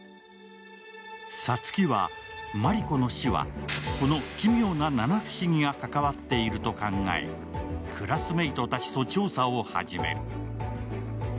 サツキはマリコの死はこの奇妙な七不思議が関わっていると考え、クラスメイトたちと調査を始める。